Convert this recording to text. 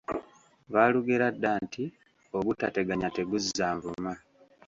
Baalugera dda nti: Ogutateganya teguzza nvuma.